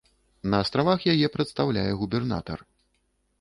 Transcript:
На астравах яе прадстаўляе губернатар.